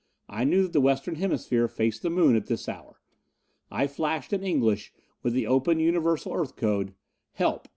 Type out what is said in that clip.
I knew that the western hemisphere faced the Moon at this hour. I flashed in English, with the open Universal Earth code: "_Help!